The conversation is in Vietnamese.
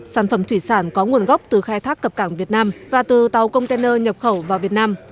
sản phẩm thủy sản có nguồn gốc từ khai thác cập cảng việt nam và từ tàu container nhập khẩu vào việt nam